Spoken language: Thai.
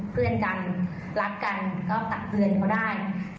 เพื่อนกันรักกันก็ตักเตือนเขาได้